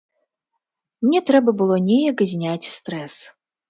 Мне трэба было неяк зняць стрэс.